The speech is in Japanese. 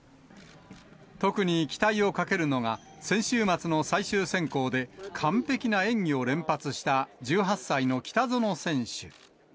特に期待をかけるのが、先週末の最終選考で、完璧な演技を連発した１８歳の北園選手。